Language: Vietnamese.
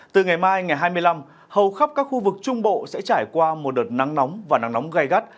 từ ngày mai ngày hai mươi năm hầu khắp các khu vực trung bộ sẽ trải qua một đợt nắng nóng và nắng nóng gai gắt